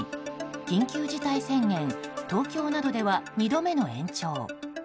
緊急事態宣言東京などでは２度目の延長。